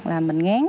là mình ngán